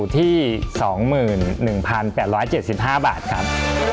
ที่สองหมื่นหนึ่งพันแปดร้อยเจ็ดสิบห้าบาทครับ